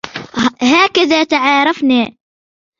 هكذا تعارفنا.